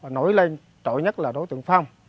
nổi lên trọi nhất là đối tượng phong